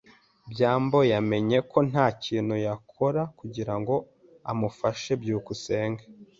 byambo yamenye ko ntakintu yakora kugirango amufashe. byukusenge